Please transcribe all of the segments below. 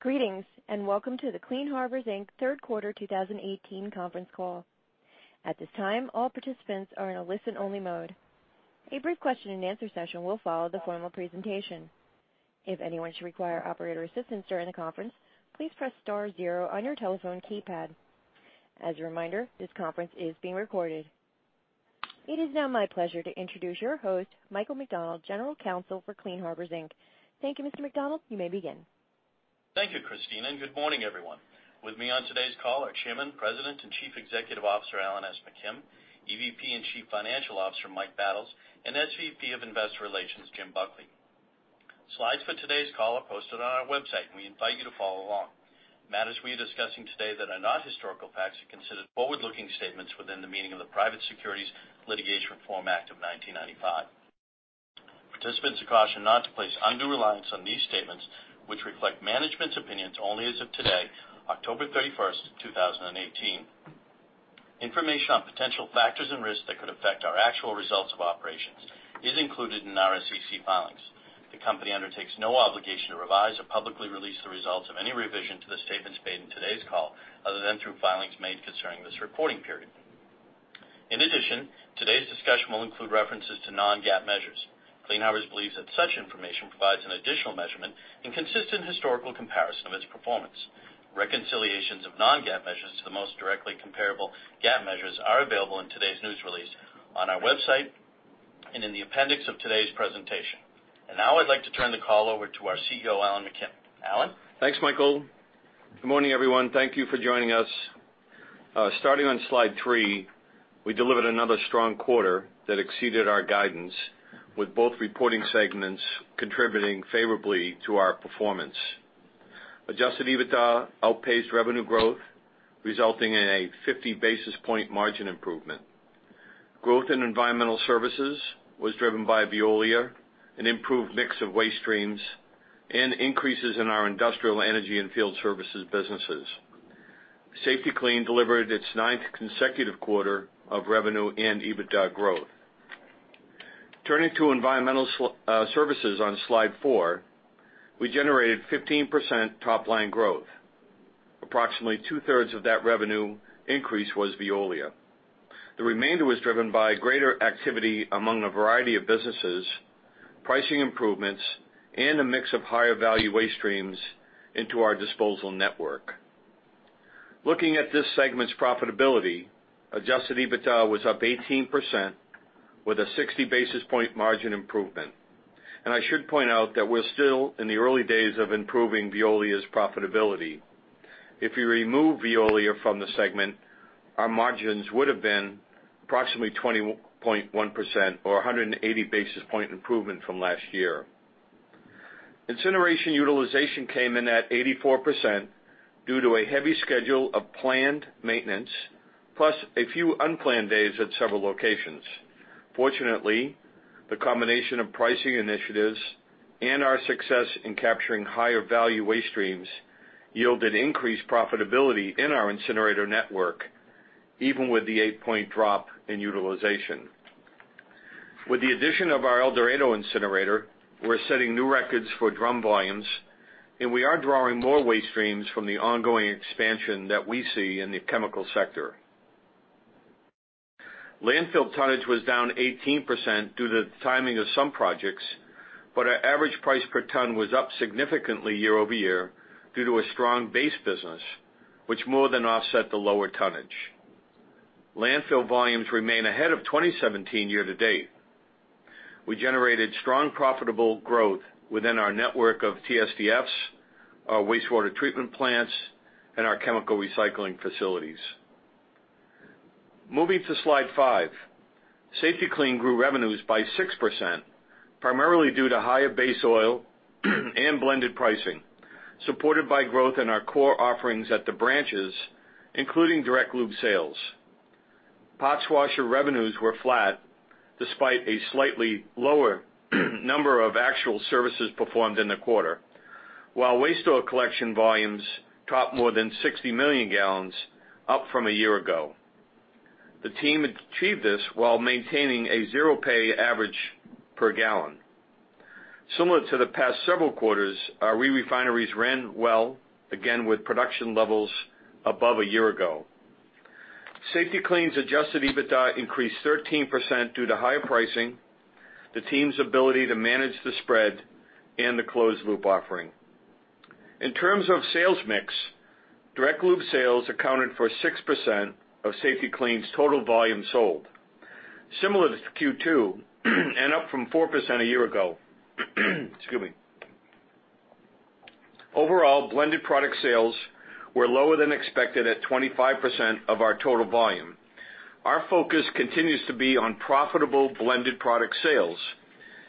Greetings, and welcome to the Clean Harbors, Inc. third quarter 2018 conference call. At this time, all participants are in a listen-only mode. A brief question and answer session will follow the formal presentation. If anyone should require operator assistance during the conference, please press star zero on your telephone keypad. As a reminder, this conference is being recorded. It is now my pleasure to introduce your host, Michael McDonald, General Counsel for Clean Harbors, Inc. Thank you, Mr. McDonald. You may begin. Thank you, Christina, and good morning, everyone. With me on today's call are Chairman, President, and Chief Executive Officer, Alan S. McKim, EVP and Chief Financial Officer, Mike Battles, and SVP of Investor Relations, Jim Buckley. Slides for today's call are posted on our website, and we invite you to follow along. Matters we are discussing today that are not historical facts are considered forward-looking statements within the meaning of the Private Securities Litigation Reform Act of 1995. Participants are cautioned not to place undue reliance on these statements, which reflect management's opinions only as of today, October 31st, 2018. Information on potential factors and risks that could affect our actual results of operations is included in our SEC filings. The company undertakes no obligation to revise or publicly release the results of any revision to the statements made in today's call, other than through filings made concerning this reporting period. In addition, today's discussion will include references to non-GAAP measures. Clean Harbors believes that such information provides an additional measurement and consistent historical comparison of its performance. Reconciliations of non-GAAP measures to the most directly comparable GAAP measures are available in today's news release, on our website, and in the appendix of today's presentation. Now I'd like to turn the call over to our CEO, Alan McKim. Alan? Thanks, Michael. Good morning, everyone. Thank you for joining us. Starting on slide three, we delivered another strong quarter that exceeded our guidance with both reporting segments contributing favorably to our performance. Adjusted EBITDA outpaced revenue growth, resulting in a 50-basis point margin improvement. Growth in environmental services was driven by Veolia, an improved mix of waste streams, and increases in our industrial energy and field services businesses. Safety-Kleen delivered its ninth consecutive quarter of revenue and EBITDA growth. Turning to environmental services on slide four, we generated 15% top-line growth. Approximately two-thirds of that revenue increase was Veolia. The remainder was driven by greater activity among a variety of businesses, pricing improvements, and a mix of higher-value waste streams into our disposal network. Looking at this segment's profitability, Adjusted EBITDA was up 18% with a 60-basis point margin improvement. I should point out that we're still in the early days of improving Veolia's profitability. If you remove Veolia from the segment, our margins would have been approximately 20.1% or 180-basis point improvement from last year. Incineration utilization came in at 84% due to a heavy schedule of planned maintenance, plus a few unplanned days at several locations. Fortunately, the combination of pricing initiatives and our success in capturing higher-value waste streams yielded increased profitability in our incinerator network, even with the eight-point drop in utilization. With the addition of our El Dorado incinerator, we're setting new records for drum volumes, and we are drawing more waste streams from the ongoing expansion that we see in the chemical sector. Landfill tonnage was down 18% due to the timing of some projects, but our average price per ton was up significantly year over year due to a strong base business, which more than offset the lower tonnage. Landfill volumes remain ahead of 2017 year to date. We generated strong, profitable growth within our network of TSDFs, our wastewater treatment plants, and our chemical recycling facilities. Moving to slide five. Safety-Kleen grew revenues by 6%, primarily due to higher base oil and blended pricing, supported by growth in our core offerings at the branches, including direct lube sales. Parts washer revenues were flat despite a slightly lower number of actual services performed in the quarter, while waste oil collection volumes topped more than 60 million gallons, up from a year ago. The team achieved this while maintaining a zero pay average per gallon. Similar to the past several quarters, our re-refineries ran well, again with production levels above a year ago. Safety-Kleen's Adjusted EBITDA increased 13% due to higher pricing, the team's ability to manage the spread, and the closed loop offering. In terms of sales mix, direct lube sales accounted for 6% of Safety-Kleen's total volume sold, similar to Q2 and up from 4% a year ago. Excuse me. Overall, blended product sales were lower than expected at 25% of our total volume. Our focus continues to be on profitable blended product sales,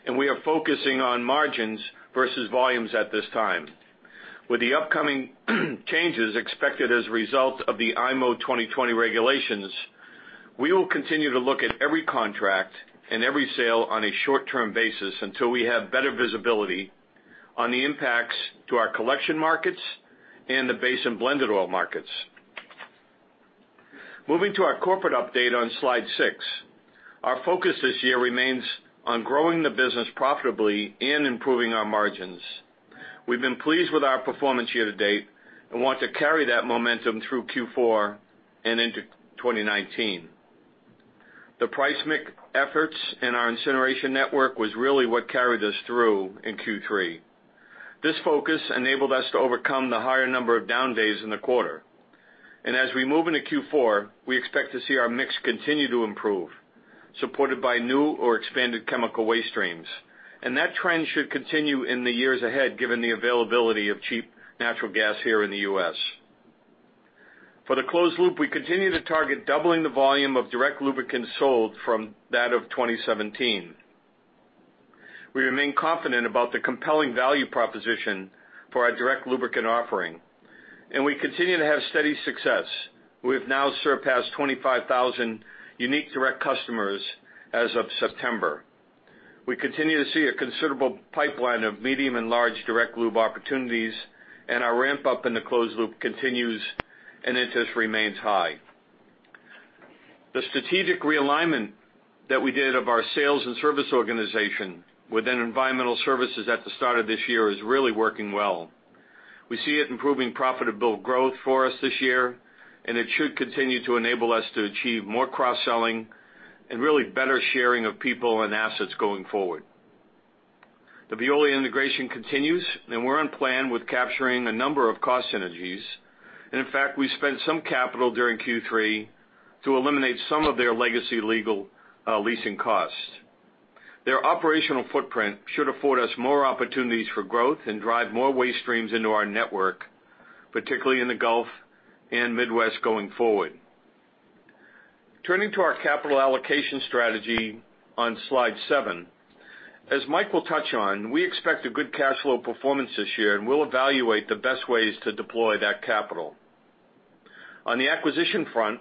and we are focusing on margins versus volumes at this time. With the upcoming changes expected as a result of the IMO 2020 regulations, we will continue to look at every contract and every sale on a short-term basis until we have better visibility on the impacts to our collection markets and the base and blended oil markets. Moving to our corporate update on Slide 6. Our focus this year remains on growing the business profitably and improving our margins. We've been pleased with our performance year-to-date and want to carry that momentum through Q4 and into 2019. The price mix efforts in our incineration network was really what carried us through in Q3. This focus enabled us to overcome the higher number of down days in the quarter. As we move into Q4, we expect to see our mix continue to improve, supported by new or expanded chemical waste streams. That trend should continue in the years ahead, given the availability of cheap natural gas here in the U.S. For the closed loop, we continue to target doubling the volume of direct lubricants sold from that of 2017. We remain confident about the compelling value proposition for our direct lubricant offering, and we continue to have steady success. We have now surpassed 25,000 unique direct customers as of September. We continue to see a considerable pipeline of medium and large direct lube opportunities, and our ramp-up in the closed loop continues, and interest remains high. The strategic realignment that we did of our sales and service organization within environmental services at the start of this year is really working well. We see it improving profitable growth for us this year, and it should continue to enable us to achieve more cross-selling and really better sharing of people and assets going forward. The Veolia integration continues, and we're on plan with capturing a number of cost synergies. In fact, we spent some capital during Q3 to eliminate some of their legacy legal leasing costs. Their operational footprint should afford us more opportunities for growth and drive more waste streams into our network, particularly in the Gulf and Midwest, going forward. Turning to our capital allocation strategy on Slide 7. As Mike will touch on, we expect a good cash flow performance this year, and we'll evaluate the best ways to deploy that capital. On the acquisition front,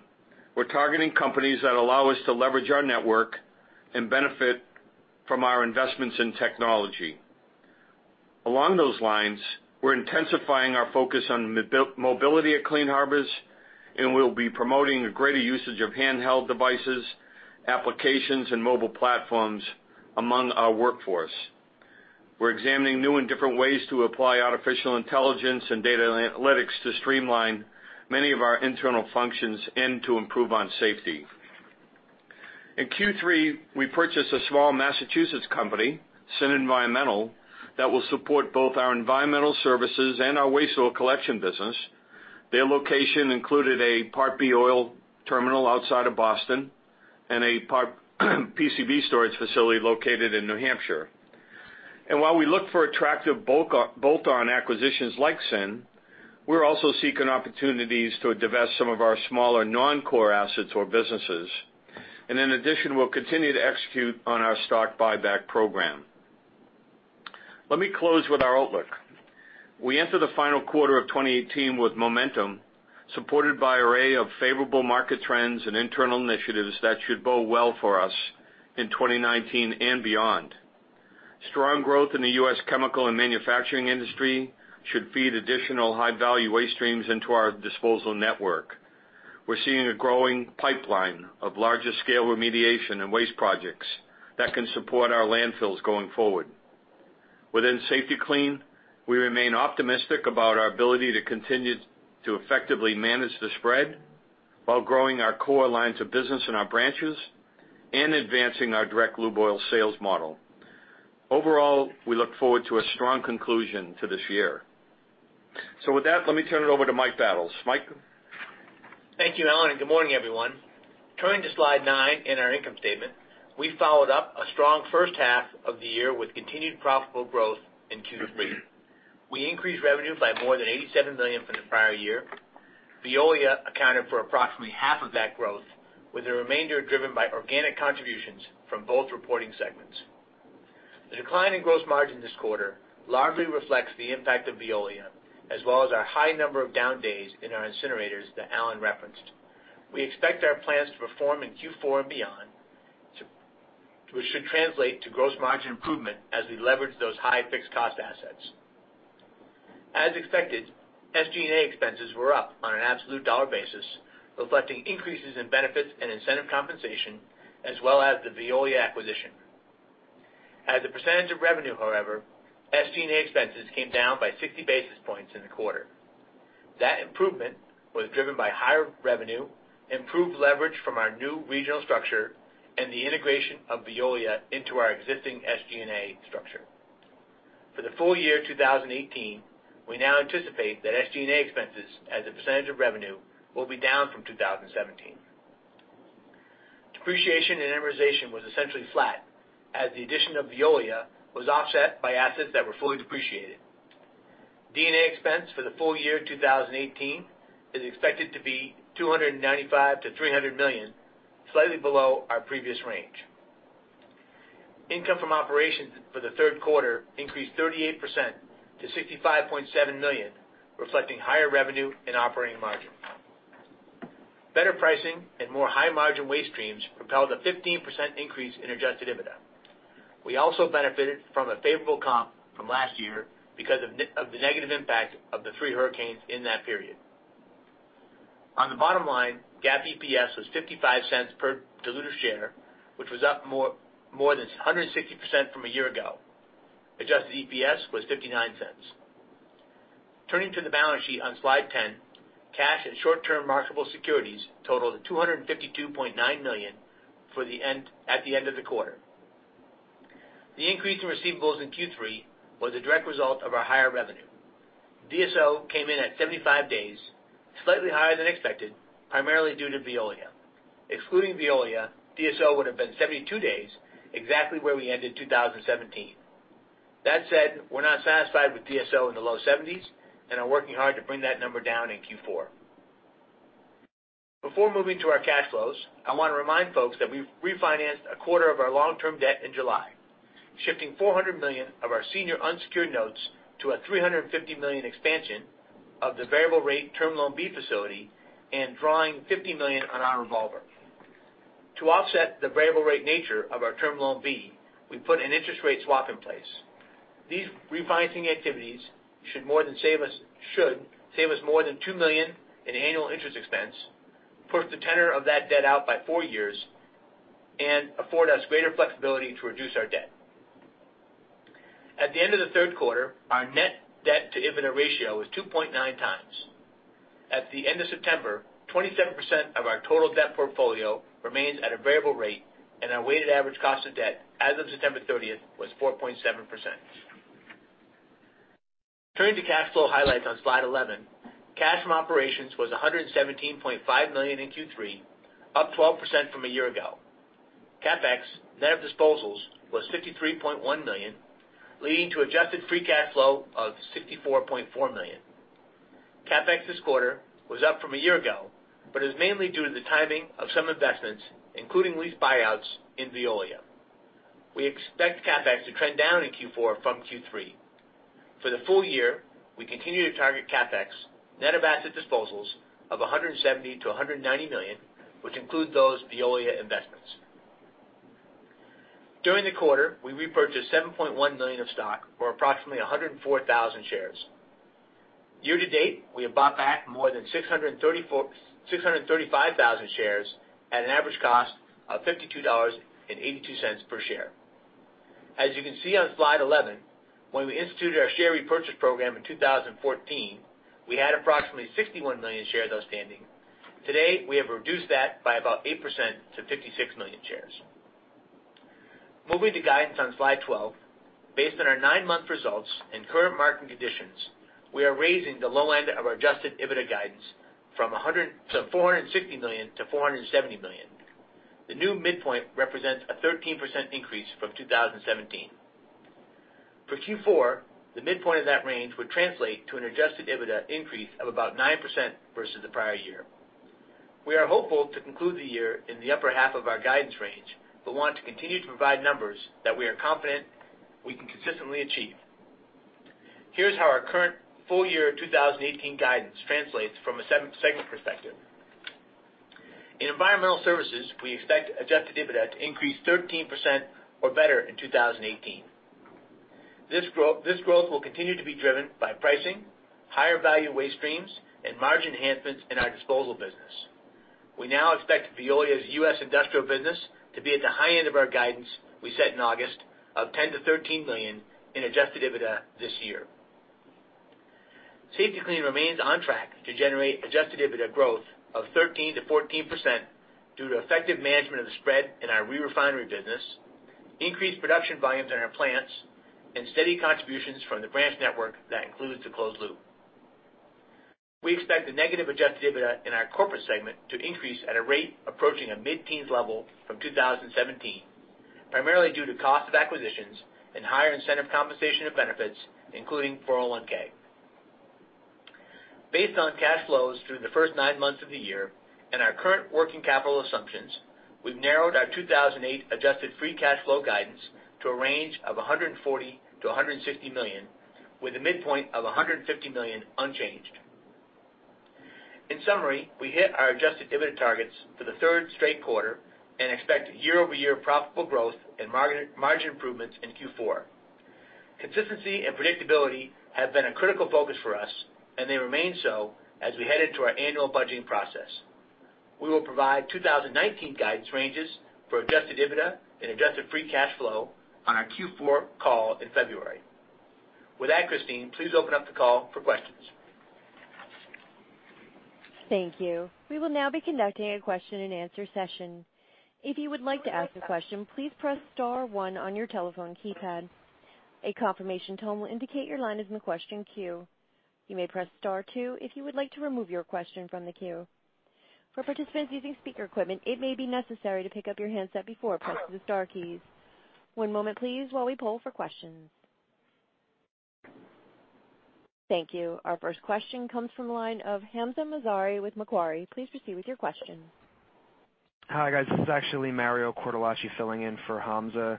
we're targeting companies that allow us to leverage our network and benefit from our investments in technology. Along those lines, we're intensifying our focus on mobility at Clean Harbors, and we'll be promoting a greater usage of handheld devices, applications, and mobile platforms among our workforce. We're examining new and different ways to apply artificial intelligence and data analytics to streamline many of our internal functions and to improve on safety. In Q3, we purchased a small Massachusetts company, Syn Environmental, that will support both our environmental services and our waste oil collection business. Their location included a Part B oil terminal outside of Boston and a PCB storage facility located in New Hampshire. While we look for attractive bolt-on acquisitions like Syn, we're also seeking opportunities to divest some of our smaller non-core assets or businesses. In addition, we'll continue to execute on our stock buyback program. Let me close with our outlook. We enter the final quarter of 2018 with momentum, supported by an array of favorable market trends and internal initiatives that should bode well for us in 2019 and beyond. Strong growth in the U.S. chemical and manufacturing industry should feed additional high-value waste streams into our disposal network. We're seeing a growing pipeline of larger-scale remediation and waste projects that can support our landfills going forward. Within Safety-Kleen, we remain optimistic about our ability to continue to effectively manage the spread while growing our core lines of business in our branches and advancing our direct lube oil sales model. Overall, we look forward to a strong conclusion to this year. With that, let me turn it over to Mike Battles. Mike? Thank you, Alan, and good morning, everyone. Turning to Slide nine in our income statement. We followed up a strong first half of the year with continued profitable growth in Q3. We increased revenue by more than $87 million from the prior year. Veolia accounted for approximately half of that growth, with the remainder driven by organic contributions from both reporting segments. The decline in gross margin this quarter largely reflects the impact of Veolia, as well as our high number of down days in our incinerators that Alan referenced. We expect our plants to perform in Q4 and beyond, which should translate to gross margin improvement as we leverage those high fixed cost assets. As expected, SG&A expenses were up on an absolute dollar basis, reflecting increases in benefits and incentive compensation, as well as the Veolia acquisition. However, SG&A expenses came down by 60 basis points in the quarter. That improvement was driven by higher revenue, improved leverage from our new regional structure, and the integration of Veolia into our existing SG&A structure. For the full year 2018, we now anticipate that SG&A expenses as a percentage of revenue will be down from 2017. Depreciation and amortization was essentially flat as the addition of Veolia was offset by assets that were fully depreciated. D&A expense for the full year 2018 is expected to be $295 million to $300 million, slightly below our previous range. Income from operations for the third quarter increased 38% to $65.7 million, reflecting higher revenue and operating margin. Better pricing and more high-margin waste streams propelled a 15% increase in Adjusted EBITDA. We also benefited from a favorable comp from last year because of the negative impact of the three hurricanes in that period. On the bottom line, GAAP EPS was $0.55 per diluted share, which was up more than 160% from a year ago. Adjusted EPS was $0.59. Turning to the balance sheet on Slide 10, cash and short-term marketable securities totaled $252.9 million at the end of the quarter. The increase in receivables in Q3 was a direct result of our higher revenue. DSO came in at 75 days, slightly higher than expected, primarily due to Veolia. Excluding Veolia, DSO would've been 72 days, exactly where we ended 2017. That said, we're not satisfied with DSO in the low 70s and are working hard to bring that number down in Q4. Before moving to our cash flows, I want to remind folks that we've refinanced a quarter of our long-term debt in July, shifting $400 million of our senior unsecured notes to a $350 million expansion of the variable rate Term Loan B facility and drawing $50 million on our revolver. To offset the variable rate nature of our Term Loan B, we put an interest rate swap in place. These refinancing activities should save us more than $2 million in annual interest expense, push the tenor of that debt out by four years, and afford us greater flexibility to reduce our debt. At the end of the third quarter, our net debt to EBITDA ratio was 2.9 times. At the end of September, 27% of our total debt portfolio remains at a variable rate, and our weighted average cost of debt as of September 30th was 4.7%. Turning to cash flow highlights on slide 11, cash from operations was $117.5 million in Q3, up 12% from a year ago. CapEx net of disposals was $53.1 million, leading to adjusted free cash flow of $64.4 million. CapEx this quarter was up from a year ago, is mainly due to the timing of some investments, including lease buyouts in Veolia. We expect CapEx to trend down in Q4 from Q3. For the full year, we continue to target CapEx net of asset disposals of $170 million-$190 million, which includes those Veolia investments. During the quarter, we repurchased $7.1 million of stock, or approximately 104,000 shares. Year to date, we have bought back more than 635,000 shares at an average cost of $52.82 per share. As you can see on slide 11, when we instituted our share repurchase program in 2014, we had approximately 61 million shares outstanding. Today, we have reduced that by about 8% to 56 million shares. Moving to guidance on slide 12, based on our nine-month results and current market conditions, we are raising the low end of our adjusted EBITDA guidance from $460 million-$470 million. The new midpoint represents a 13% increase from 2017. For Q4, the midpoint of that range would translate to an adjusted EBITDA increase of about 9% versus the prior year. We are hopeful to conclude the year in the upper half of our guidance range, want to continue to provide numbers that we are confident we can consistently achieve. Here's how our current full year 2018 guidance translates from a segment perspective. In Environmental Services, we expect adjusted EBITDA to increase 13% or better in 2018. This growth will continue to be driven by pricing, higher value waste streams, and margin enhancements in our disposal business. We now expect Veolia's U.S. industrial business to be at the high end of our guidance we set in August of $10 million-$13 million in adjusted EBITDA this year. Safety-Kleen remains on track to generate adjusted EBITDA growth of 13%-14% due to effective management of the spread in our rerefinery business, increased production volumes in our plants, and steady contributions from the branch network that includes the closed loop. We expect the negative adjusted EBITDA in our corporate segment to increase at a rate approaching a mid-teens level from 2017, primarily due to cost of acquisitions and higher incentive compensation of benefits, including 401(k). Based on cash flows through the first nine months of the year and our current working capital assumptions, we've narrowed our 2018 adjusted free cash flow guidance to a range of $140 million-$160 million with a midpoint of $150 million unchanged. In summary, we hit our adjusted EBITDA targets for the third straight quarter and expect year-over-year profitable growth and margin improvements in Q4. Consistency and predictability have been a critical focus for us, they remain so as we head into our annual budgeting process. We will provide 2019 guidance ranges for adjusted EBITDA and adjusted free cash flow on our Q4 call in February. With that, Christine, please open up the call for questions. Thank you. We will now be conducting a question and answer session. If you would like to ask a question, please press *1 on your telephone keypad. A confirmation tone will indicate your line is in the question queue. You may press *2 if you would like to remove your question from the queue. For participants using speaker equipment, it may be necessary to pick up your handset before pressing the star keys. One moment please while we poll for questions. Thank you. Our first question comes from the line of Hamzah Mazari with Macquarie. Please proceed with your question. Hi, guys. This is actually Mario Cortellucci filling in for Hamzah.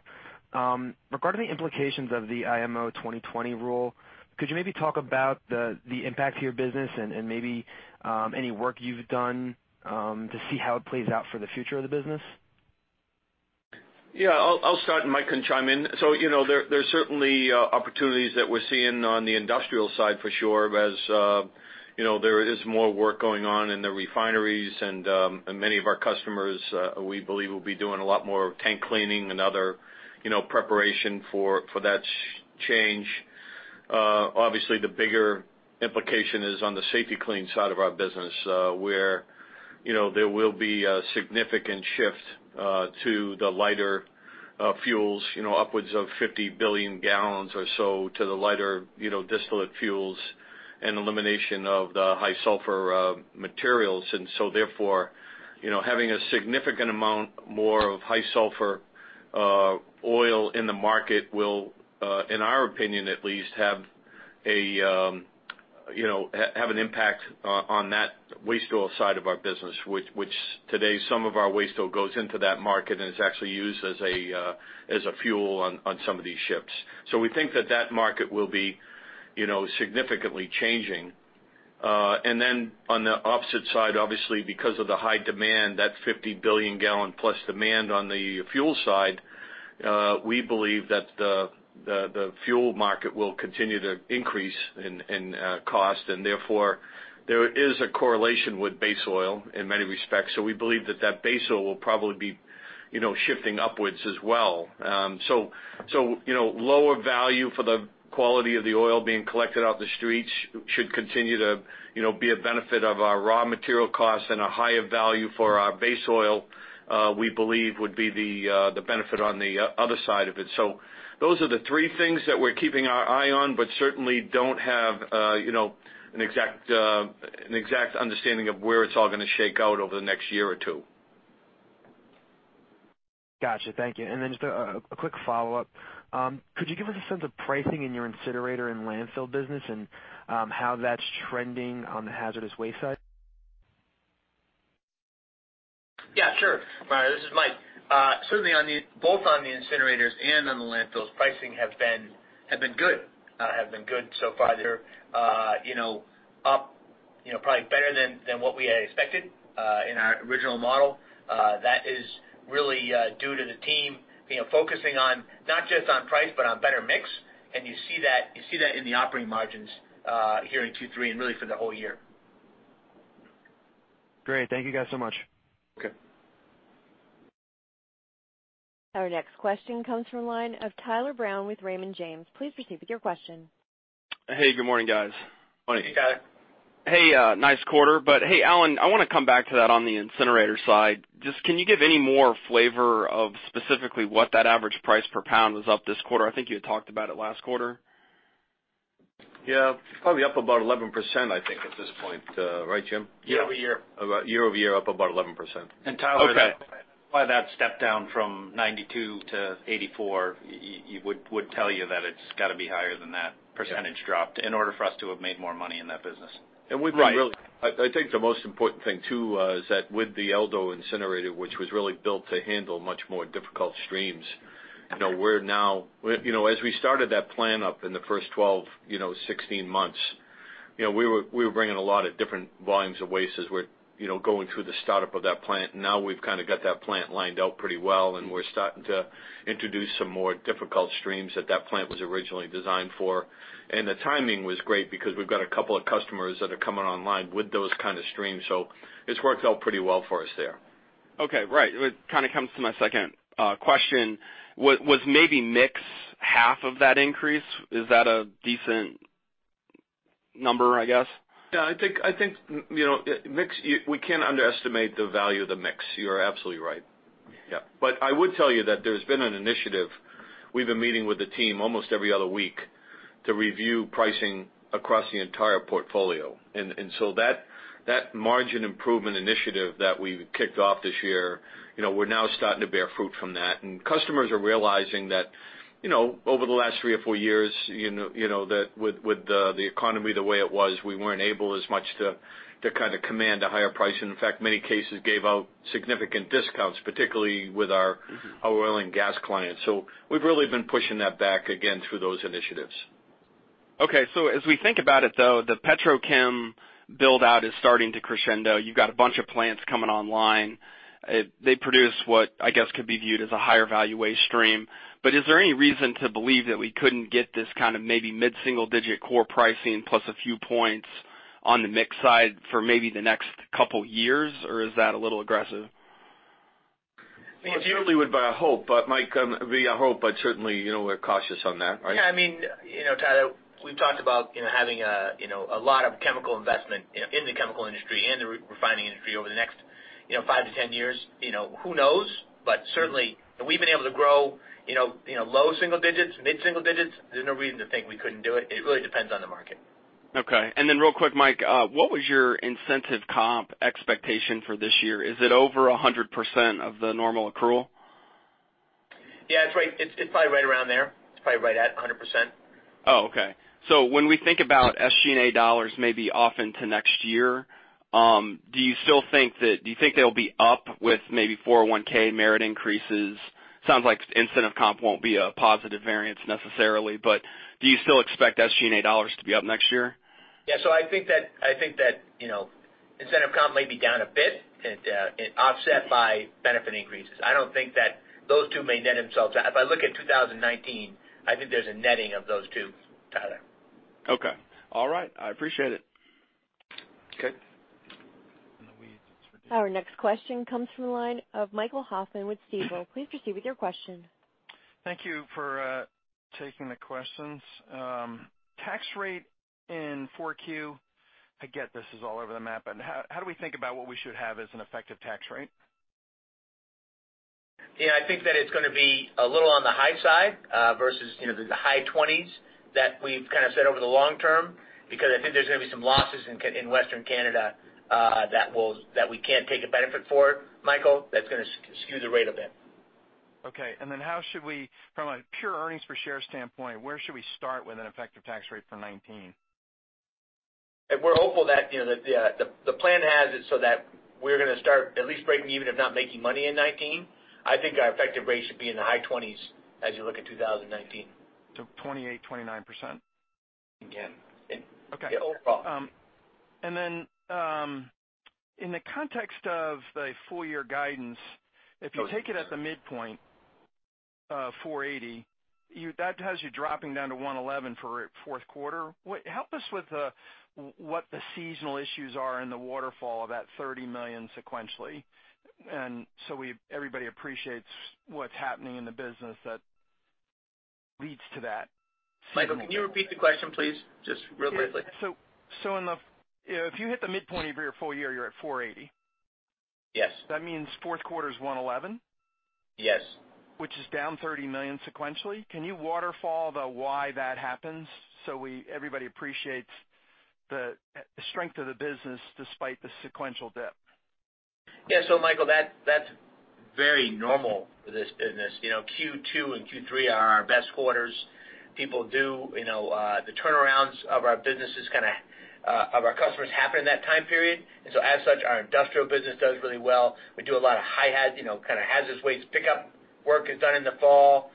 Regarding the implications of the IMO 2020 rule, could you maybe talk about the impact to your business and maybe any work you've done to see how it plays out for the future of the business? Yeah. I'll start and Mike can chime in. There's certainly opportunities that we're seeing on the industrial side for sure, as there is more work going on in the refineries and many of our customers, we believe will be doing a lot more tank cleaning and other preparation for that change. Obviously, the bigger implication is on the Safety-Kleen side of our business, where there will be a significant shift to the lighter fuels, upwards of 50 billion gallons or so to the lighter, distillate fuels and elimination of the high sulfur materials. Therefore, having a significant amount more of high sulfur oil in the market will, in our opinion at least, have an impact on that waste oil side of our business, which today some of our waste oil goes into that market and is actually used as a fuel on some of these ships. We think that market will be significantly changing. On the opposite side, obviously because of the high demand, that 50 billion gallon plus demand on the fuel side, we believe that the fuel market will continue to increase in cost, and therefore, there is a correlation with base oil in many respects. We believe that base oil will probably be shifting upwards as well. Lower value for the quality of the oil being collected off the streets should continue to be a benefit of our raw material costs and a higher value for our base oil, we believe would be the benefit on the other side of it. Those are the three things that we're keeping our eye on, but certainly don't have an exact understanding of where it's all going to shake out over the next year or two. Got you. Thank you. Then just a quick follow-up. Could you give us a sense of pricing in your incinerator and landfill business and how that's trending on the hazardous waste side? Yeah, sure. This is Mike. Certainly both on the incinerators and on the landfills, pricing have been good so far. They're up probably better than what we had expected in our original model. That is really due to the team focusing not just on price, but on better mix. You see that in the operating margins here in Q3 and really for the whole year. Great. Thank you guys so much. Okay. Our next question comes from the line of Tyler Brown with Raymond James. Please proceed with your question. Hey, good morning, guys. Morning. Hey, Tyler. Hey, nice quarter. Hey, Alan, I want to come back to that on the incinerator side. Just can you give any more flavor of specifically what that average price per pound is up this quarter? I think you had talked about it last quarter. Yeah. Probably up about 11%, I think, at this point. Right, Jim? Year over year. About year over year, up about 11%. Tyler Okay by that step down from 92 to 84, you would tell you that it's got to be higher than that percentage dropped in order for us to have made more money in that business. I think the most important thing too, is that with the El Dorado incinerator, which was really built to handle much more difficult streams, as we started that plant up in the first 12, 16 months, we were bringing a lot of different volumes of waste as we're going through the startup of that plant. We've kind of got that plant lined out pretty well, and we're starting to introduce some more difficult streams that that plant was originally designed for. The timing was great because we've got a couple of customers that are coming online with those kind of streams. It's worked out pretty well for us there. Okay. Right. It kind of comes to my second question. Was maybe mix half of that increase? Is that a decent number, I guess? Yeah, I think we can't underestimate the value of the mix. You're absolutely right. Yeah. I would tell you that there's been an initiative. We've been meeting with the team almost every other week to review pricing across the entire portfolio. That margin improvement initiative that we've kicked off this year, we're now starting to bear fruit from that. Customers are realizing that over the last three or four years, that with the economy the way it was, we weren't able as much to kind of command a higher price, and in fact, many cases gave out significant discounts, particularly with our oil and gas clients. We've really been pushing that back again through those initiatives. Okay. As we think about it, though, the petrochem build-out is starting to crescendo. You've got a bunch of plants coming online. They produce what I guess could be viewed as a higher value waste stream. Is there any reason to believe that we couldn't get this kind of maybe mid-single digit core pricing plus a few points on the mix side for maybe the next couple years? Or is that a little aggressive? Well, certainly would be our hope. Mike, it'd be our hope, but certainly, we're cautious on that, right? Yeah, Tyler, we've talked about having a lot of chemical investment in the chemical industry and the refining industry over the next 5 to 10 years. Who knows? Certainly, we've been able to grow low single digits, mid-single digits. There's no reason to think we couldn't do it. It really depends on the market. Okay. Real quick, Mike, what was your incentive comp expectation for this year? Is it over 100% of the normal accrual? Yeah. It's probably right around there. It's probably right at 100%. Oh, okay. When we think about SG&A dollars maybe off into next year, do you think they'll be up with maybe 401(k) and merit increases? Sounds like incentive comp won't be a positive variance necessarily, do you still expect SG&A dollars to be up next year? Yeah. I think that Incentive comp may be down a bit and offset by benefit increases. I don't think that those two may net themselves out. If I look at 2019, I think there's a netting of those two, Tyler. Okay. All right. I appreciate it. Okay. Our next question comes from the line of Michael Hoffman with Stifel. Please proceed with your question. Thank you for taking the questions. Tax rate in 4Q, I get this is all over the map. How do we think about what we should have as an effective tax rate? Yeah, I think that it's going to be a little on the high side versus the high 20s that we've kind of said over the long term, because I think there's going to be some losses in Western Canada that we can't take a benefit for, Michael. That's going to skew the rate a bit. Okay. Then from a pure earnings per share standpoint, where should we start with an effective tax rate for 2019? We're hopeful that the plan has it so that we're going to start at least breaking even, if not making money in 2019. I think our effective rate should be in the high 20s as you look at 2019. 28%, 29%? Again. Okay. Overall. In the context of the full-year guidance, if you take it at the midpoint, $480, that has you dropping down to $111 for fourth quarter. Help us with what the seasonal issues are in the waterfall of that $30 million sequentially, so everybody appreciates what's happening in the business that leads to that. Michael, can you repeat the question please, just real briefly? if you hit the midpoint of your full year, you're at $480. Yes. That means fourth quarter is $111? Yes. is down $30 million sequentially. Can you waterfall the why that happens so everybody appreciates the strength of the business despite the sequential dip? Michael, that's very normal for this business. Q2 and Q3 are our best quarters. The turnarounds of our customers happen in that time period. As such, our industrial business does really well. We do a lot of kind of hazardous waste pickup work is done in the fall.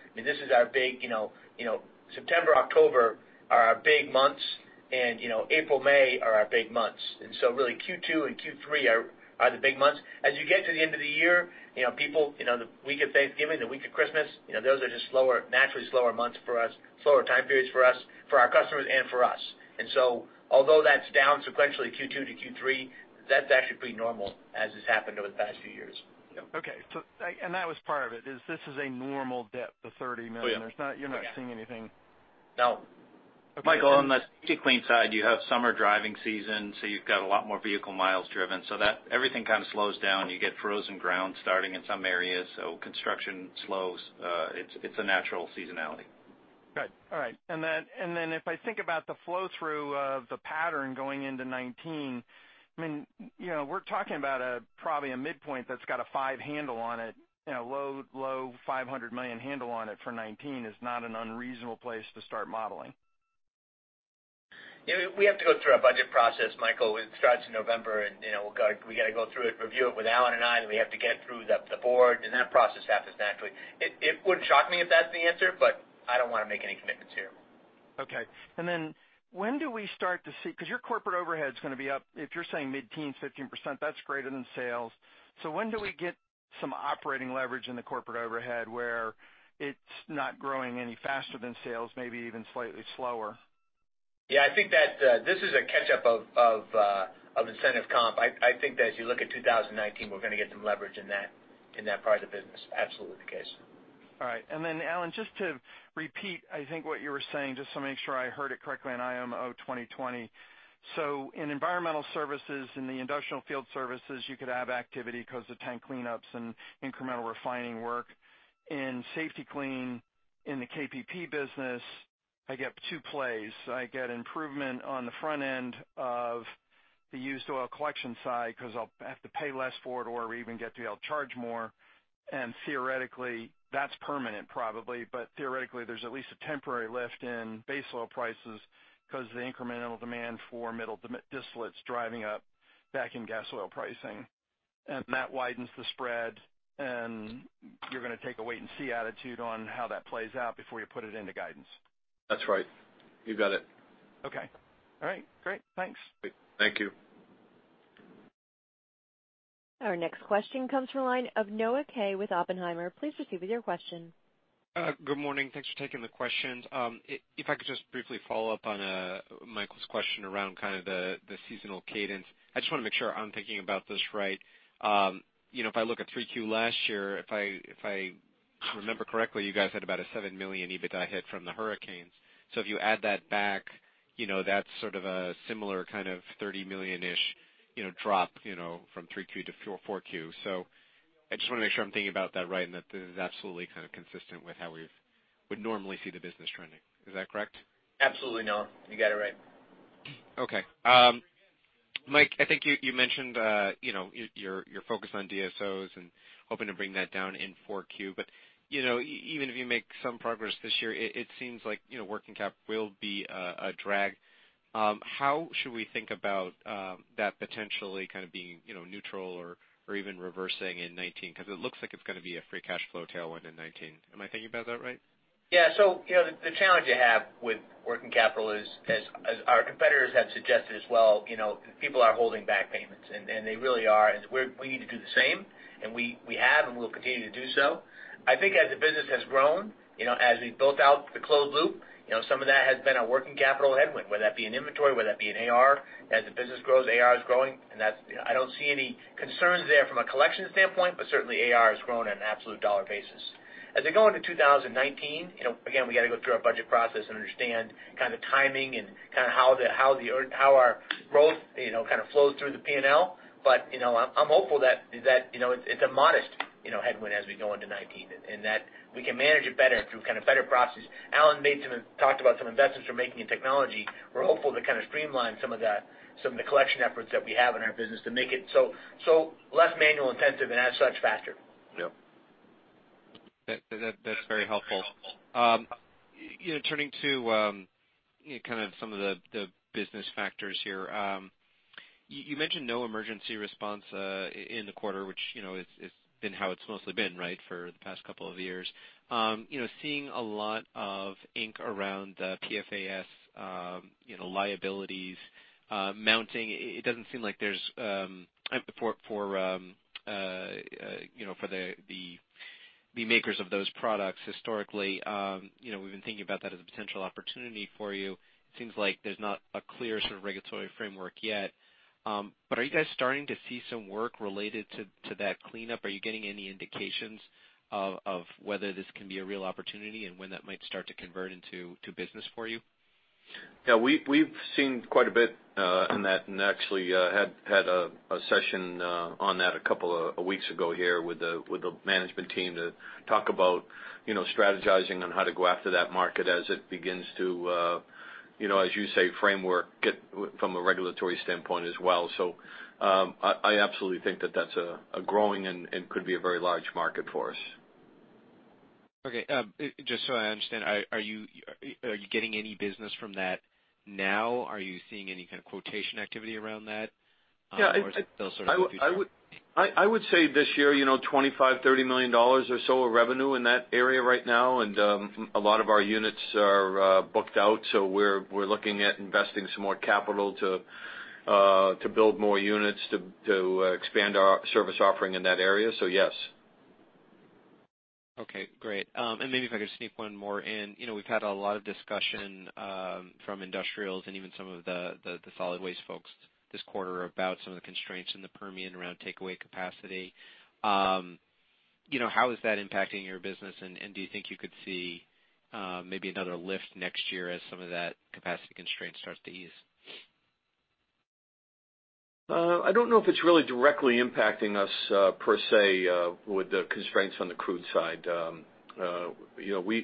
September, October are our big months and April, May are our big months. Really Q2 and Q3 are the big months. As you get to the end of the year, the week of Thanksgiving, the week of Christmas, those are just naturally slower months for us, slower time periods for us, for our customers and for us. Although that's down sequentially Q2 to Q3, that's actually pretty normal as it's happened over the past few years. Okay. That was part of it, is this is a normal dip, the $30 million. Oh, yeah. You're not seeing anything No. Michael, on the Safety-Kleen side, you have summer driving season, so you've got a lot more vehicle miles driven. Everything kind of slows down. You get frozen ground starting in some areas, so construction slows. It's a natural seasonality. Good. All right. If I think about the flow-through of the pattern going into 2019, we're talking about probably a midpoint that's got a five handle on it, low $500 million handle on it for 2019, is not an unreasonable place to start modeling. We have to go through our budget process, Michael. It starts in November, we've got to go through it, review it with Alan and I. We have to get it through the board, that process happens naturally. It wouldn't shock me if that's the answer, but I don't want to make any commitments here. Okay. When do we start to see, because your corporate overhead's going to be up? If you're saying mid-teens, 15%, that's greater than sales. When do we get some operating leverage in the corporate overhead where it's not growing any faster than sales, maybe even slightly slower? Yeah, I think that this is a catch-up of incentive comp. I think that as you look at 2019, we're going to get some leverage in that part of the business. Absolutely the case. All right. Alan, just to repeat, I think, what you were saying, just to make sure I heard it correctly on IMO 2020. In environmental services, in the industrial field services, you could have activity because of tank cleanups and incremental refining work. In Safety-Kleen, in the KPP business, I get two plays. I get improvement on the front end of the used oil collection side because I'll have to pay less for it, or we even get to be able to charge more. Theoretically, that's permanent probably, but theoretically, there's at least a temporary lift in base oil prices because of the incremental demand for middle distillates driving up vacuum gas oil pricing. That widens the spread, and you're going to take a wait and see attitude on how that plays out before you put it into guidance. That's right. You got it. Okay. All right, great. Thanks. Thank you. Our next question comes from the line of Noah Kaye with Oppenheimer. Please proceed with your question. Good morning. Thanks for taking the questions. If I could just briefly follow up on Michael's question around kind of the seasonal cadence. I just want to make sure I'm thinking about this right. If I look at 3Q last year, if I remember correctly, you guys had about a $7 million EBITDA hit from the hurricanes. If you add that back, that's sort of a similar kind of $30 million-ish drop from 3Q to 4Q. I just want to make sure I'm thinking about that right, and that this is absolutely kind of consistent with how we would normally see the business trending. Is that correct? Absolutely, Noah. You got it right. Okay. Mike, I think you mentioned your focus on DSOs and hoping to bring that down in 4Q, but even if you make some progress this year, it seems like working cap will be a drag. How should we think about that potentially kind of being neutral or even reversing in 2019? It looks like it's going to be a free cash flow tailwind in 2019. Am I thinking about that right? The challenge you have with working capital is, as our competitors have suggested as well, people are holding back payments, and they really are. We need to do the same, and we have, and we'll continue to do so. I think as the business has grown, as we've built out the closed loop, some of that has been a working capital headwind, whether that be in inventory, whether that be in AR. As the business grows, AR is growing, and I don't see any concerns there from a collection standpoint, but certainly AR has grown in an absolute dollar basis. As I go into 2019, again, we got to go through our budget process and understand kind of timing and kind of how our growth kind of flows through the P&L. I'm hopeful that it's a modest headwind as we go into 2019, and that we can manage it better through kind of better processes. Alan talked about some investments we're making in technology. We're hopeful to kind of streamline some of the collection efforts that we have in our business to make it so less manual intensive and as such, faster. Yep. That's very helpful. Turning to kind of some of the business factors here. You mentioned no emergency response in the quarter, which it's been how it's mostly been, right, for the past couple of years. Seeing a lot of ink around the PFAS liabilities mounting. For the makers of those products historically, we've been thinking about that as a potential opportunity for you. It seems like there's not a clear sort of regulatory framework yet. Are you guys starting to see some work related to that cleanup? Are you getting any indications of whether this can be a real opportunity and when that might start to convert into business for you? Yeah. We've seen quite a bit on that, and actually had a session on that a couple of weeks ago here with the management team to talk about strategizing on how to go after that market as it begins to, as you say, framework from a regulatory standpoint as well. I absolutely think that that's a growing and could be a very large market for us. Okay. Just so I understand, are you getting any business from that now? Are you seeing any kind of quotation activity around that- Yeah or those sort of future? I would say this year, $25, $30 million or so of revenue in that area right now, and a lot of our units are booked out. We're looking at investing some more capital to build more units to expand our service offering in that area, so yes. Okay, great. Maybe if I could sneak one more in. We've had a lot of discussion from industrials and even some of the solid waste folks this quarter about some of the constraints in the Permian around takeaway capacity. How is that impacting your business, and do you think you could see maybe another lift next year as some of that capacity constraint starts to ease? I don't know if it's really directly impacting us per se with the constraints on the crude side.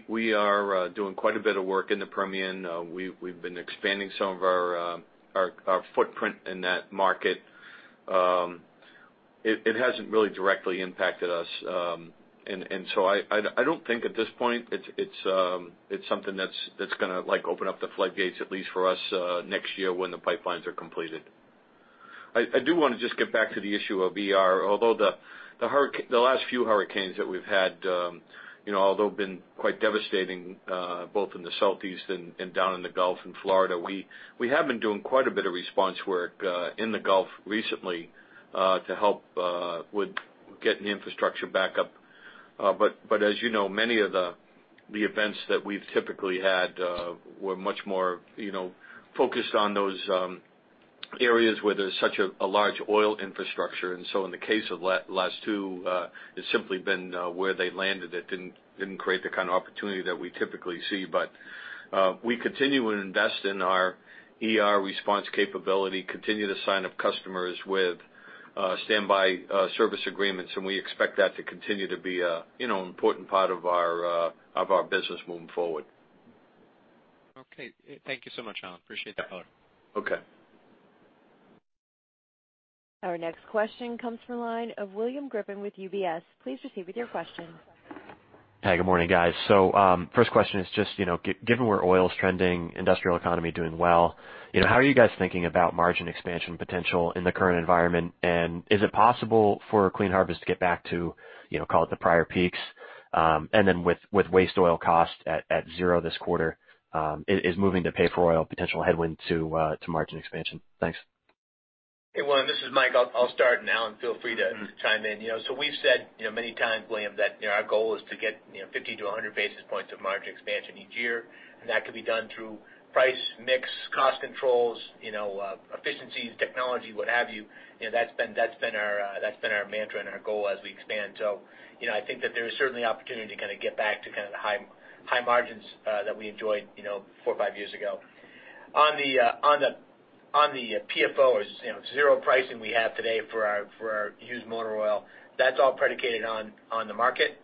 We are doing quite a bit of work in the Permian. We've been expanding some of our footprint in that market. It hasn't really directly impacted us. I don't think at this point it's something that's going to open up the floodgates, at least for us next year when the pipelines are completed. I do want to just get back to the issue of ER. Although the last few hurricanes that we've had, although been quite devastating both in the Southeast and down in the Gulf, in Florida, we have been doing quite a bit of response work in the Gulf recently to help with getting the infrastructure back up. As you know, many of the events that we've typically had were much more focused on those areas where there's such a large oil infrastructure. In the case of the last two, it's simply been where they landed. It didn't create the kind of opportunity that we typically see. We continue and invest in our ER response capability, continue to sign up customers with standby service agreements, we expect that to continue to be an important part of our business moving forward. Okay. Thank you so much, Alan. Appreciate the color. Okay. Our next question comes from the line of William Griffin with UBS. Please proceed with your question. Hi, good morning, guys. First question is just, given where oil's trending, industrial economy doing well, how are you guys thinking about margin expansion potential in the current environment? Is it possible for Clean Harbors to get back to call it the prior peaks? With waste oil cost at zero this quarter, is moving to pay for oil a potential headwind to margin expansion? Thanks. Hey, William, this is Mike. I'll start. Alan, feel free to chime in. We've said many times, William, that our goal is to get 50 to 100 basis points of margin expansion each year. That could be done through price, mix, cost controls, efficiencies, technology, what have you. That's been our mantra and our goal as we expand. I think that there is certainly opportunity to kind of get back to kind of the high margins that we enjoyed four or five years ago. On the PFO, zero pricing we have today for our used motor oil, that's all predicated on the market.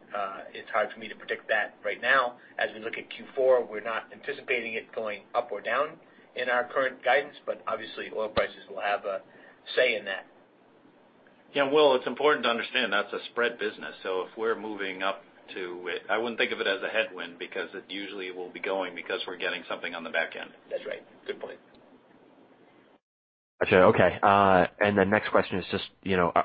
It's hard for me to predict that right now. As we look at Q4, we're not anticipating it going up or down in our current guidance, obviously oil prices will have a say in that. Yeah, Will, it's important to understand that's a spread business. If we're moving up to it, I wouldn't think of it as a headwind because it usually will be going because we're getting something on the back end. That's right. Good point. Okay. The next question is just,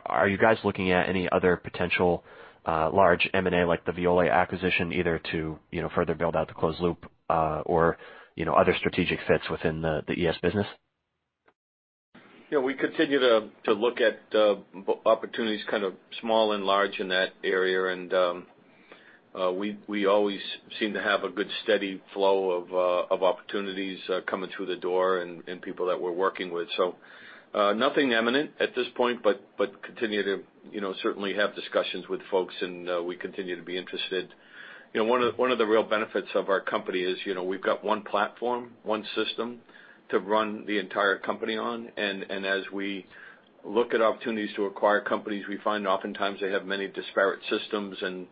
are you guys looking at any other potential large M&A like the Veolia acquisition, either to further build out the closed loop, or other strategic fits within the ES business? Yeah, we continue to look at opportunities kind of small and large in that area, we always seem to have a good, steady flow of opportunities coming through the door and people that we're working with. Nothing imminent at this point, but continue to certainly have discussions with folks and we continue to be interested. One of the real benefits of our company is, we've got one platform, one system to run the entire company on. As we look at opportunities to acquire companies, we find oftentimes they have many disparate systems and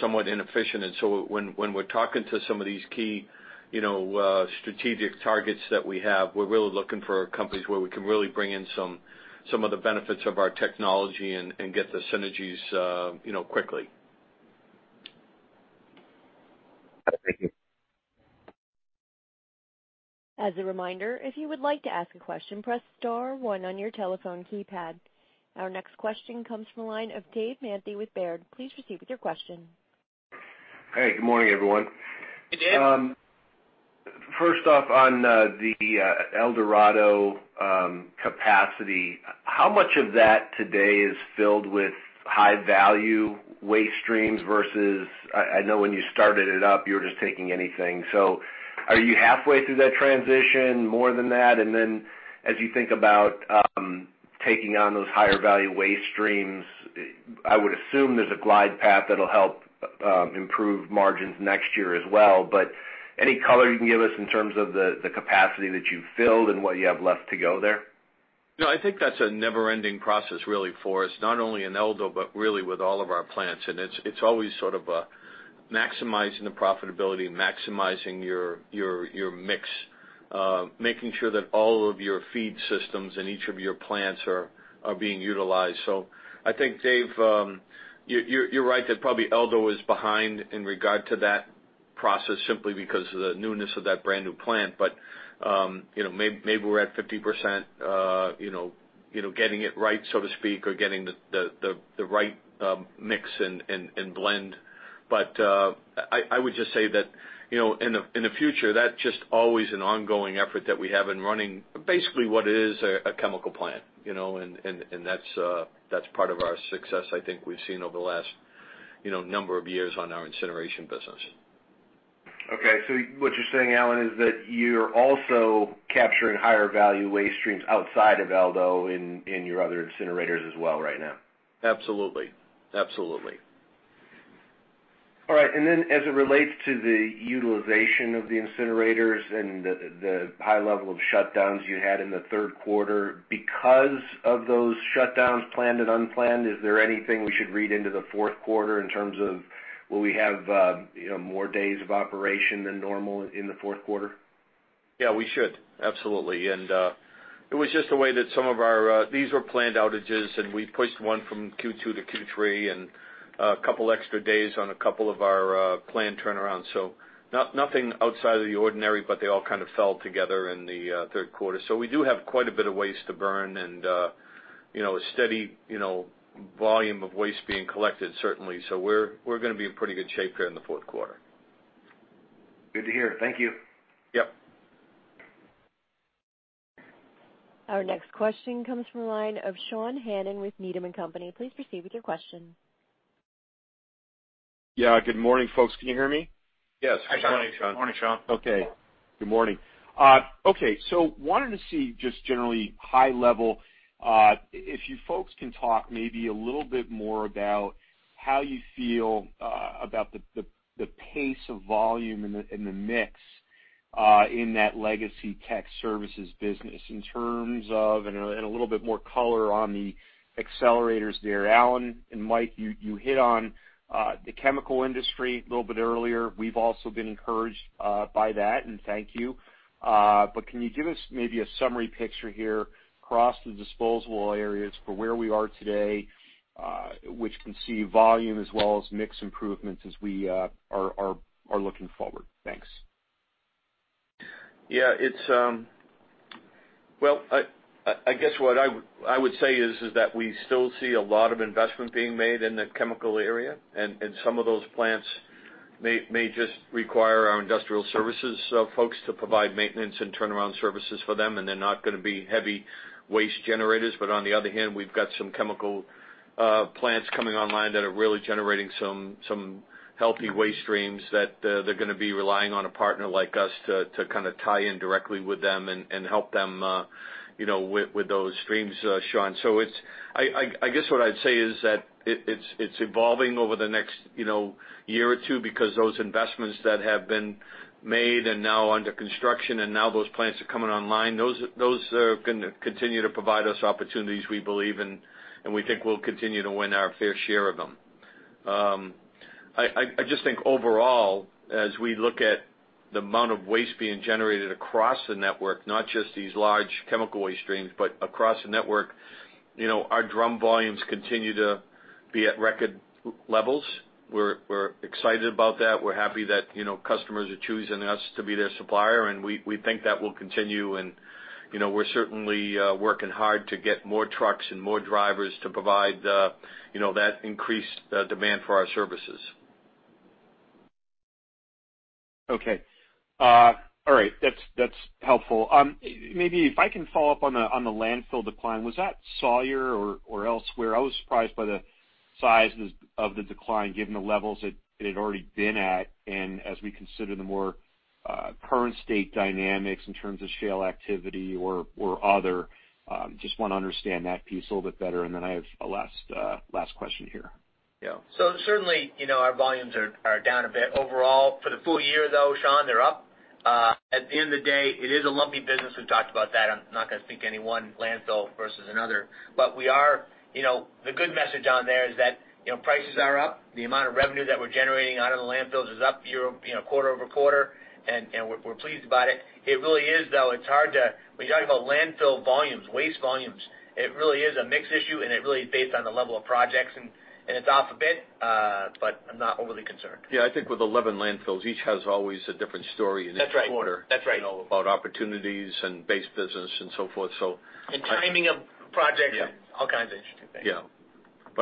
somewhat inefficient. So when we're talking to some of these key strategic targets that we have, we're really looking for companies where we can really bring in some of the benefits of our technology and get the synergies quickly. Thank you. As a reminder, if you would like to ask a question, press star one on your telephone keypad. Our next question comes from the line of David Manthey with Baird. Please proceed with your question. Hey, good morning, everyone. Hey, Dave. First off, on the El Dorado capacity, how much of that today is filled with high-value waste streams versus I know when you started it up, you were just taking anything. Are you halfway through that transition? More than that? As you think about taking on those higher value waste streams, I would assume there's a glide path that'll help improve margins next year as well. Any color you can give us in terms of the capacity that you've filled and what you have left to go there? No, I think that's a never-ending process really for us. Not only in Eldo but really with all of our plants. It's always sort of maximizing the profitability, maximizing your mix, making sure that all of your feed systems in each of your plants are being utilized. I think, Dave, you're right that probably Eldo is behind in regard to that process simply because of the newness of that brand-new plant. Maybe we're at 50%, getting it right, so to speak, or getting the right mix and blend. I would just say that, in the future, that's just always an ongoing effort that we have in running basically what is a chemical plant. That's part of our success, I think we've seen over the last number of years on our incineration business. Okay. What you're saying, Alan, is that you're also capturing higher value waste streams outside of Eldo in your other incinerators as well right now? Absolutely. All right. As it relates to the utilization of the incinerators and the high level of shutdowns you had in the third quarter, because of those shutdowns, planned and unplanned, is there anything we should read into the fourth quarter in terms of, will we have more days of operation than normal in the fourth quarter? Yeah, we should. Absolutely. These were planned outages, and we pushed one from Q2 to Q3 and a couple extra days on a couple of our planned turnarounds. Nothing outside of the ordinary, but they all kind of fell together in the third quarter. We do have quite a bit of waste to burn and a steady volume of waste being collected, certainly. We're going to be in pretty good shape here in the fourth quarter. Good to hear. Thank you. Yep. Our next question comes from the line of Sean Hannon with Needham & Company. Please proceed with your question. Yeah. Good morning, folks. Can you hear me? Yes. Hi, Sean. Morning, Sean. Okay. Good morning. Okay. Wanted to see just generally high level, if you folks can talk maybe a little bit more about how you feel about the pace of volume and the mix in that legacy tech services business in terms of. A little bit more color on the accelerators there. Alan and Mike, you hit on the chemical industry a little bit earlier. We've also been encouraged by that, and thank you. Can you give us maybe a summary picture here across the disposable areas for where we are today, which can see volume as well as mix improvements as we are looking forward? Thanks. Well, I guess what I would say is that we still see a lot of investment being made in the chemical area, and some of those plants may just require our industrial services folks to provide maintenance and turnaround services for them, and they're not going to be heavy waste generators. On the other hand, we've got some chemical plants coming online that are really generating some healthy waste streams that they're going to be relying on a partner like us to kind of tie in directly with them and help them with those streams, Sean. I guess what I'd say is that it's evolving over the next year or two because those investments that have been made and now under construction and now those plants are coming online, those are going to continue to provide us opportunities, we believe, and we think we'll continue to win our fair share of them. I just think overall, as we look at the amount of waste being generated across the network, not just these large chemical waste streams, but across the network, our drum volumes continue to be at record levels. We're excited about that. We're happy that customers are choosing us to be their supplier, and we think that will continue. We're certainly working hard to get more trucks and more drivers to provide that increased demand for our services. Okay. All right. That's helpful. Maybe if I can follow up on the landfill decline, was that Sawyer or elsewhere? I was surprised by the size of the decline, given the levels that it had already been at, and as we consider the more current state dynamics in terms of shale activity or other, just want to understand that piece a little bit better, and then I have a last question here. Certainly, our volumes are down a bit overall. For the full year, though, Sean, they're up. At the end of the day, it is a lumpy business. We've talked about that. I'm not going to speak any one landfill versus another. The good message on there is that prices are up. The amount of revenue that we're generating out of the landfills is up quarter-over-quarter, and we're pleased about it. It really is, though, when you talk about landfill volumes, waste volumes, it really is a mix issue, and it really is based on the level of projects, and it's off a bit, but I'm not overly concerned. I think with 11 landfills, each has always a different story in each quarter. That's right. About opportunities and base business and so forth. Timing of projects and all kinds of interesting things. Yeah.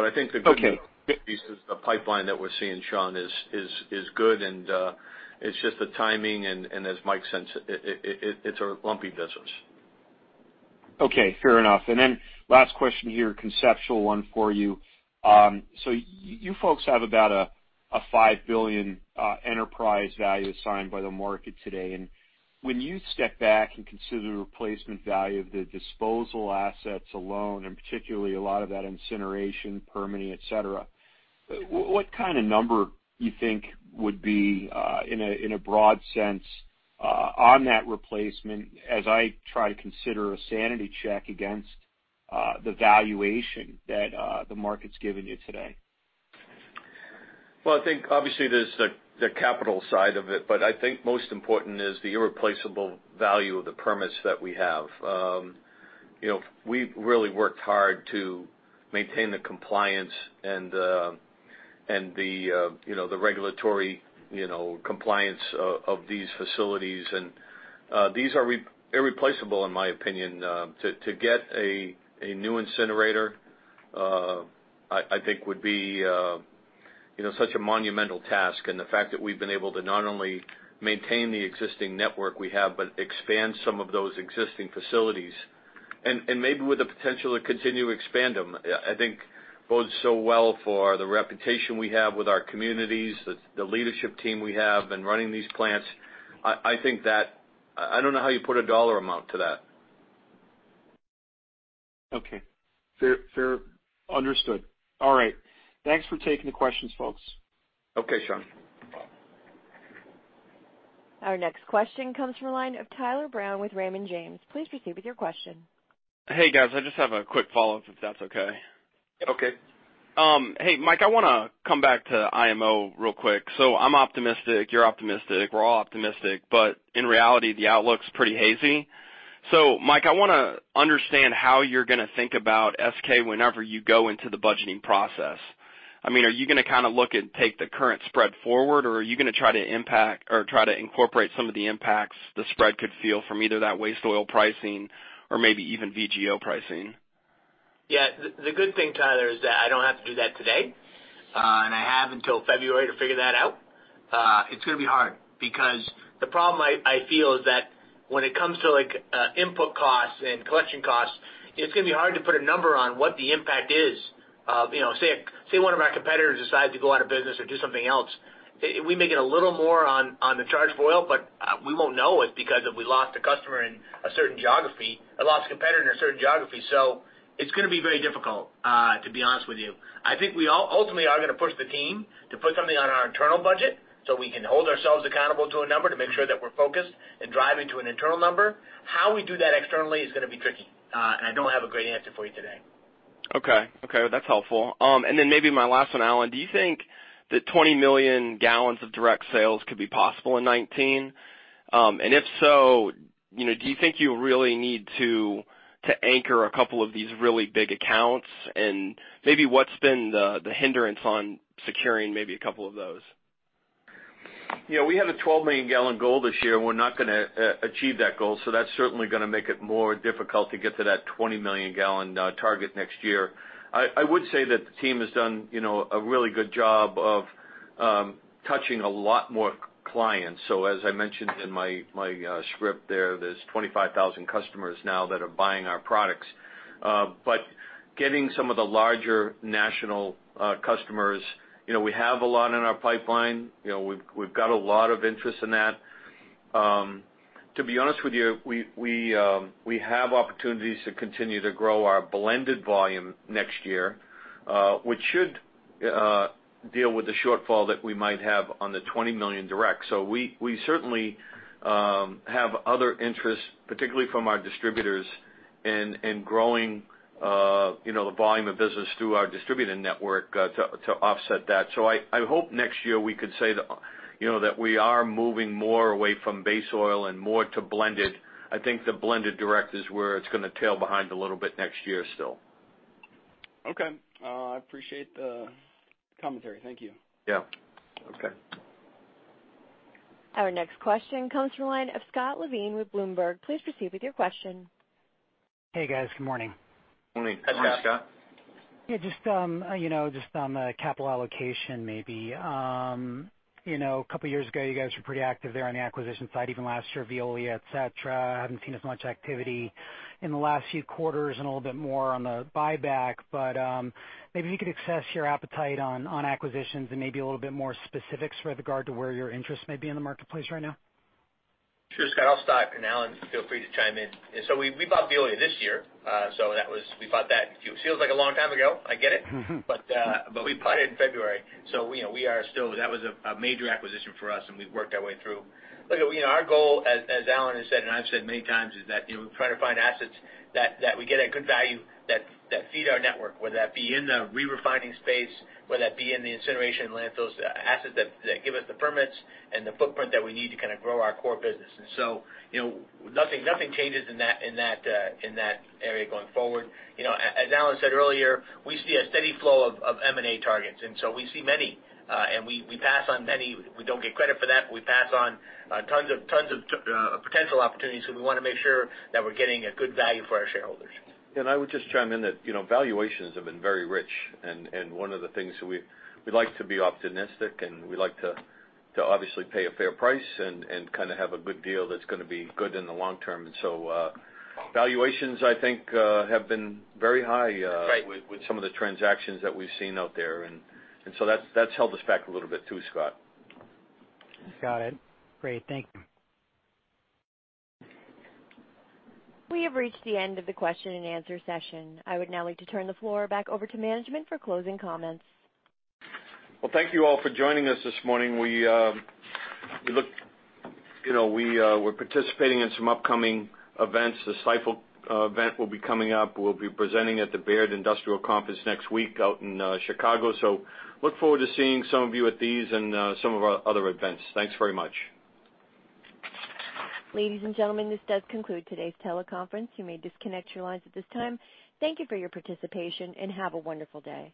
I think the good news- Okay is the pipeline that we're seeing, Sean, is good, and it's just the timing, and as Mike sensed, it's a lumpy business. Okay, fair enough. Last question here, conceptual one for you. You folks have about a $5 billion enterprise value assigned by the market today. When you step back and consider the replacement value of the disposal assets alone, and particularly a lot of that incineration permitting, et cetera, what kind of number you think would be, in a broad sense, on that replacement as I try to consider a sanity check against the valuation that the market's given you today? Well, I think obviously, there's the capital side of it, but I think most important is the irreplaceable value of the permits that we have. We've really worked hard to maintain the compliance and the regulatory compliance of these facilities. These are irreplaceable, in my opinion. To get a new incinerator, I think would be such a monumental task. The fact that we've been able to not only maintain the existing network we have, but expand some of those existing facilities, and maybe with the potential to continue to expand them, I think bodes so well for the reputation we have with our communities, the leadership team we have, and running these plants. I don't know how you put a dollar amount to that. Okay. Fair. Understood. All right. Thanks for taking the questions, folks. Okay, Sean. Our next question comes from the line of Tyler Brown with Raymond James. Please proceed with your question. Hey, guys, I just have a quick follow-up, if that's okay. Okay. Hey, Mike, I want to come back to IMO real quick. I'm optimistic, you're optimistic, we're all optimistic, but in reality, the outlook's pretty hazy. Mike, I want to understand how you're going to think about SK whenever you go into the budgeting process. Are you going to look and take the current spread forward, or are you going to try to incorporate some of the impacts the spread could feel from either that waste oil pricing or maybe even VGO pricing? Yeah. The good thing, Tyler, is that I don't have to do that today. I have until February to figure that out. It's going to be hard because the problem I feel is that when it comes to input costs and collection costs, it's going to be hard to put a number on what the impact is. Say one of our competitors decides to go out of business or do something else. We may get a little more on the charge for oil, but we won't know it because if we lost a customer in a certain geography or lost a competitor in a certain geography. It's going to be very difficult, to be honest with you. I think we all ultimately are going to push the team to put something on our internal budget so we can hold ourselves accountable to a number to make sure that we're focused and driving to an internal number. How we do that externally is going to be tricky. I don't have a great answer for you today. Okay. That's helpful. Then maybe my last one, Alan, do you think the 20 million gallons of direct sales could be possible in 2019? If so, do you think you really need to anchor a couple of these really big accounts? Maybe what's been the hindrance on securing maybe a couple of those? We have a 12 million gallon goal this year. We're not going to achieve that goal, that's certainly going to make it more difficult to get to that 20 million gallon target next year. I would say that the team has done a really good job of touching a lot more clients. As I mentioned in my script there's 25,000 customers now that are buying our products. Getting some of the larger national customers, we have a lot in our pipeline. We've got a lot of interest in that. To be honest with you, we have opportunities to continue to grow our blended volume next year, which should deal with the shortfall that we might have on the 20 million direct. We certainly have other interests, particularly from our distributors, in growing the volume of business through our distributor network to offset that. I hope next year we could say that we are moving more away from base oil and more to blended. I think the blended direct is where it's going to tail behind a little bit next year still. Okay. I appreciate the commentary. Thank you. Yeah. Okay. Our next question comes from the line of Scott Levine with Bloomberg. Please proceed with your question. Hey, guys. Good morning. Morning, Scott. Good morning, Scott. Yeah, just on the capital allocation, maybe. A couple years ago, you guys were pretty active there on the acquisition side, even last year, Veolia, et cetera. I haven't seen as much activity in the last few quarters and a little bit more on the buyback. Maybe if you could assess your appetite on acquisitions and maybe a little bit more specifics with regard to where your interests may be in the marketplace right now. Sure, Scott, I'll start, and Alan, feel free to chime in. We bought Veolia this year. We bought that. It feels like a long time ago, I get it. We bought it in February, so that was a major acquisition for us, and we've worked our way through. Look, our goal, as Alan has said, and I've said many times, is that we try to find assets that we get at good value that feed our network, whether that be in the re-refining space, whether that be in the incineration landfills, assets that give us the permits and the footprint that we need to grow our core business. Nothing changes in that area going forward. As Alan said earlier, we see a steady flow of M&A targets. We see many, and we pass on many. We don't get credit for that, we pass on tons of potential opportunities because we want to make sure that we're getting a good value for our shareholders. I would just chime in that valuations have been very rich. One of the things, we like to be optimistic, and we like to obviously pay a fair price and have a good deal that's going to be good in the long term. Valuations, I think, have been very high. That's right with some of the transactions that we've seen out there. That's held us back a little bit, too, Scott. Got it. Great. Thank you. We have reached the end of the question and answer session. I would now like to turn the floor back over to management for closing comments. Well, thank you all for joining us this morning. We're participating in some upcoming events. The Stifel event will be coming up. We'll be presenting at the Baird Industrial Conference next week out in Chicago. Look forward to seeing some of you at these and some of our other events. Thanks very much. Ladies and gentlemen, this does conclude today's teleconference. You may disconnect your lines at this time. Thank you for your participation, and have a wonderful day.